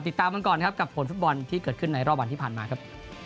ติดตามกันก่อนครับกับผลฟุตบอลที่เกิดขึ้นในรอบวันที่ผ่านมาครับ